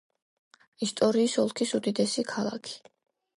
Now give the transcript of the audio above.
ისტრიის ოლქის უდიდესი ქალაქი.